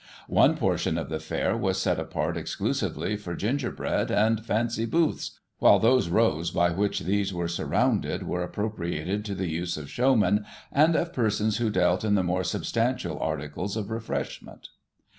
One portion of the fair was set apart exclusively for ginger bread and fancy booths, while those rows by which these were surrounded were appropriated to the use of showmen, and of persons who dealt in the more substantial articles of refreshment.